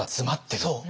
そう。